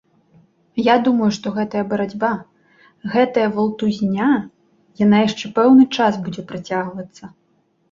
Я думаю, што гэтая барацьба, гэтая валтузня, яна яшчэ пэўны час будзе працягвацца.